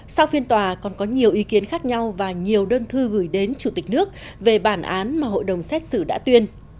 sau phiên tòa còn có nhiều ý kiến khác nhau và nhiều đơn thư gửi đến chủ tịch nước về bản án mà hội đồng xét xử đã tuyên